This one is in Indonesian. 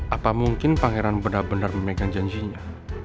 apa mungkin pangeran benar benar memegang janjinya